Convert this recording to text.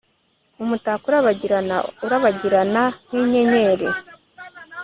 umutako urabagirana urabagirana nkinyenyeri